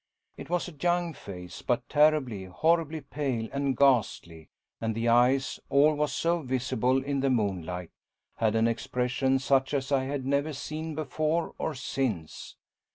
It was a young face, but terribly, horribly pale and ghastly, and the eyes all was so visible in the moonlight had an expression such as I had never seen before or since.